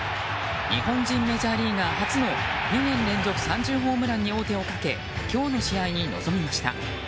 日本人メージャーリーガー初の２年連続３０ホームランに王手をかけ今日の試合に臨みました。